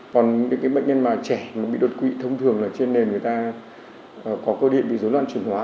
còn những bệnh nhân trẻ bị đột quỵ thông thường là trên nền người ta có cơ điện